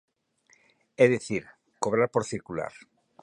É dicir, cobrar por circular.